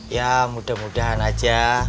ya mudah mudahan aja